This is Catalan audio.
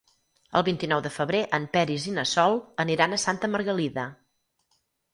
El vint-i-nou de febrer en Peris i na Sol aniran a Santa Margalida.